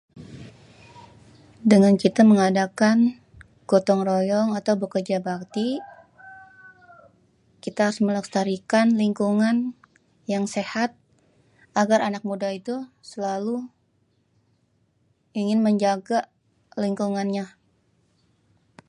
Dengan kita mengadakan gotong royong atau bekerja bakti kitê harus melestarikan lingkungan yang sehat agar anak muda itu selalu ingin menjaga lingkungannya.